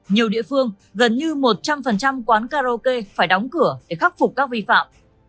nhiều địa phương gần như một trăm linh quán karaoke phải đóng cửa để khắc phục các vi phạm